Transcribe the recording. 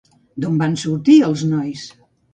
D'on van sortir els nois?